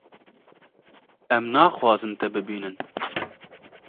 Em naxwazin te bibînin.